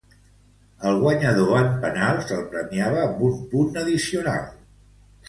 Al guanyador en penals, se'l premiava amb un punt addicional.